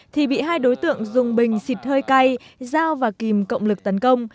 thì bị hai đối tượng dùng bình xịt hơi cay dao và kìm cộng lực tấn công